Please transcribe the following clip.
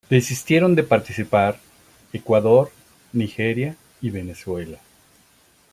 Desistieron de participarː Ecuador, Nigeria y Venezuela.